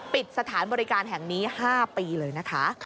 ปิดสถานบริการแห่งนี้๕ปีเลยนะคะ